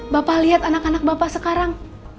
bapak lihat anak anak bapak sekarang